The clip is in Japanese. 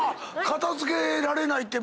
片付けられないの？